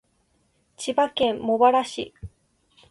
千葉県茂原市